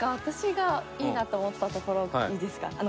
私がいいなと思ったところいいですか？